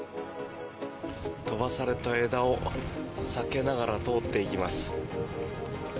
飛ばされた枝を避けながら通っていきます。